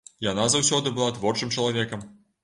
Яна заўсёды была творчым чалавекам.